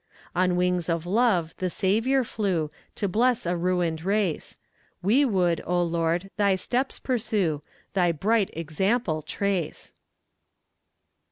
On wings of love the Saviour flew, To bless a ruined race; We would, O Lord, thy steps pursue, Thy bright example trace.